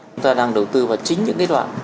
chúng ta đang đầu tư vào chính những cái đoạn